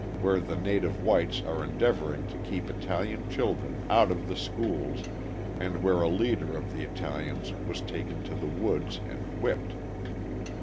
where the native whites are endeavouring to keep Italian children out of the schools and where a leader of the Italians was taken to the woods and whipped.